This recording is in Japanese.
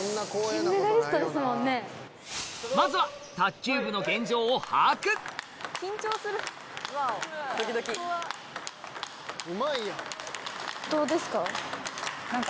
まずは卓球部の現状を把握どうですか？